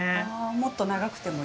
もっと長くてもいい。